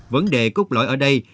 vấn đề cốt lõi ở đây